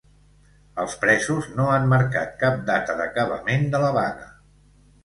Els presos no han marcat cap data d’acabament de la vaga.